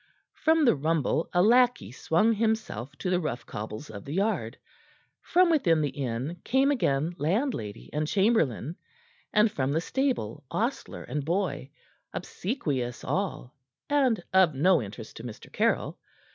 From the rumble a lackey swung himself to the rough cobbles of the yard. From within the inn came again landlady and chamberlain, and from the stable ostler and boy, obsequious all and of no interest to Mr. Caryll.